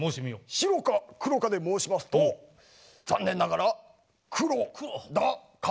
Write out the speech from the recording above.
白か黒かで申しますと残念ながら黒田官兵衛でした。